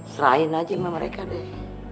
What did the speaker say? serahin aja sama mereka deh